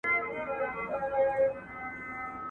تعليم شوې نجونې د کلي د کارونو تنظيم ښه کوي.